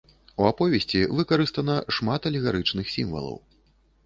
У аповесці выкарыстана шмат алегарычных сімвалаў.